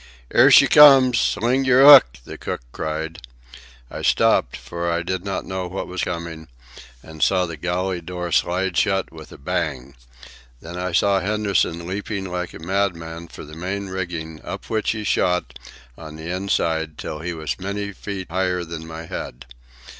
"'Ere she comes. Sling yer 'ook!" the cook cried. I stopped, for I did not know what was coming, and saw the galley door slide shut with a bang. Then I saw Henderson leaping like a madman for the main rigging, up which he shot, on the inside, till he was many feet higher than my head.